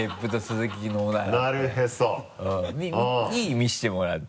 見せてもらって。